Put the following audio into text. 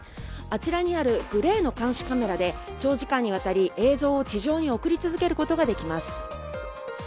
あちらにあるグレーの監視カメラで長時間にわたり映像を地上に送り続けることができます。